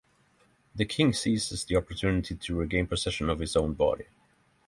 The king seizes the opportunity to regain possession of his own body.